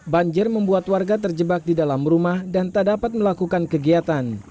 banjir membuat warga terjebak di dalam rumah dan tak dapat melakukan kegiatan